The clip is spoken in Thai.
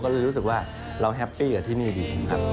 ก็เลยรู้สึกว่าเราแฮปปี้กับที่นี่ดีครับ